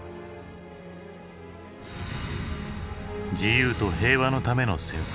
「自由と平和のための戦争」。